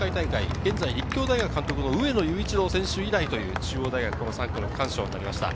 現在、立教大学監督の上野裕一郎選手以来という中央大学３区の区間賞となりました。